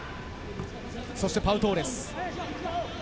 そしてパウ・トーレス。